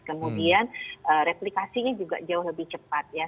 kemudian replikasinya juga jauh lebih cepat ya